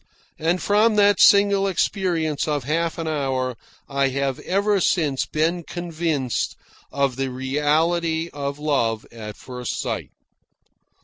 And from that single experience of half an hour I have ever since been convinced of the reality of love at first sight.